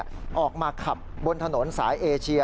ออกมาขับบนถนนสายเอเชีย